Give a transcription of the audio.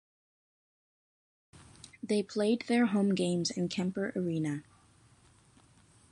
They played their home games in Kemper Arena.